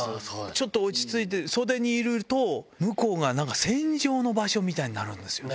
ちょっと落ち着いて、袖にいると、向こうがなんか戦場の場所みたいになるんですよね。